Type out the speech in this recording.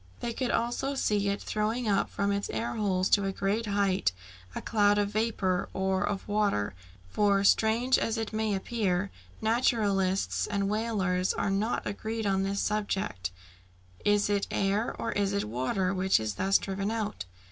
They could also see it throwing up from its air holes to a great height, a cloud of vapour, or of water, for, strange as it may appear, naturalists and whalers are not agreed on this subject. Is it air or is it water which is thus driven out?